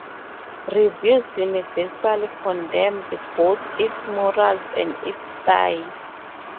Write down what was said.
Reviewers universally condemned both its morals and its style.